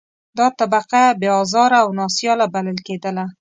دا طبقه بې آزاره او نا سیاله بلل کېدله.